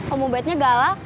om ubednya galak